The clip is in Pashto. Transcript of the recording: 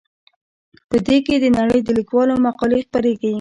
په دې کې د نړۍ د لیکوالو مقالې خپریږي.